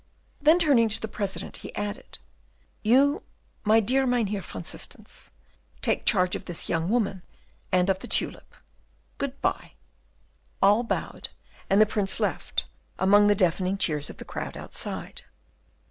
Then, turning to the President, he added, "You, my dear Mynheer van Systens, take charge of this young woman and of the tulip. Good bye." All bowed, and the Prince left, among the deafening cheers of the crowd outside.